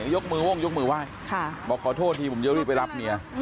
ยกมือวงยกมือไหว้บอกขอโทษทีผมจะรีบไปรับเมีย